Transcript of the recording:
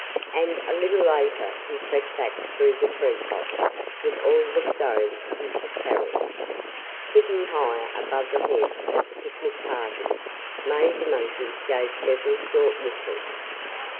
And a little later he crept back through the tree tops with all the stones he could carry. Hidden high above the heads of the picnic party, Major Monkey gave several short whistles.